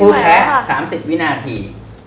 พูดแท้๓๐วินาที